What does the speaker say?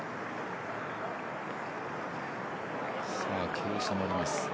傾斜もあります。